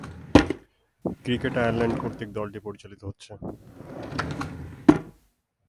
Cricket Ireland কর্তৃক দলটি পরিচালিত হচ্ছে।